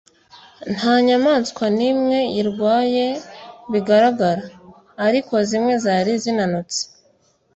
Nta nyamaswa n'imwe yarwaye bigaragara, ariko zimwe zari zinanutse